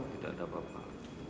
tidak ada apa apa